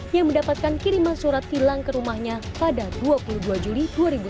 yang mendapatkan kiriman surat tilang ke rumahnya pada dua puluh dua juli dua ribu dua puluh